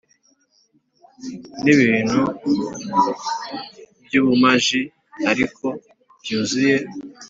nibintu byubumaji ariko byuzuye.